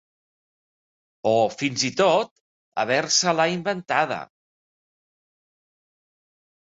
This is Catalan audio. O fins i tot haver-se-la inventada.